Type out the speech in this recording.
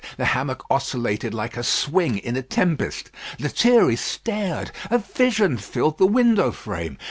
The hammock oscillated like a swing in a tempest. Lethierry stared. A vision filled the window frame.